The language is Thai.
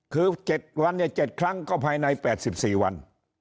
คือ๗วัน๗ครั้งก็ภายใน๘๔วัน